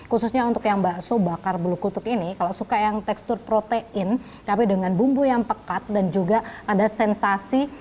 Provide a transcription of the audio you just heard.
khususnya untuk yang bakso bakar bulu kutuk ini kalau suka yang tekstur protein cabai dengan bumbu yang pekat dan juga ada sensasi